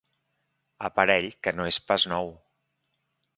Aparell que no és pas nou.